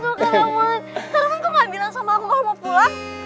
kok gak bilang sama aku kalau mau pulang